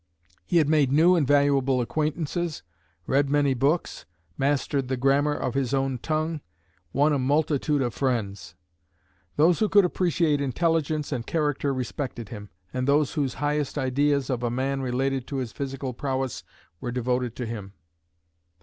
He had made new and valuable acquaintances, read many books, mastered the grammar of his own tongue, won a multitude of friends. Those who could appreciate intelligence and character respected him, and those whose highest ideas of a man related to his physical prowess were devoted to him.